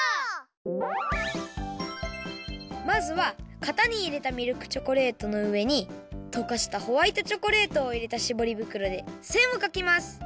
まずはかたにいれたミルクチョコレートのうえにとかしたホワイトチョコレートをいれたしぼり袋でせんをかきます。